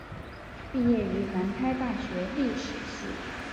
毕业于南开大学历史系。